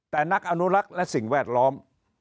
แต่นักอนุรักษ์และสิ่งแวดล้อม